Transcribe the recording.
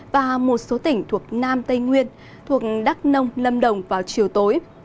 và một số tỉnh thuộc nam tây nguyên thuộc đắk nông lâm đồng vào chiều tối